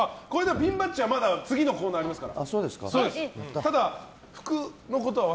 ピンバッジは次のコーナーがありますから。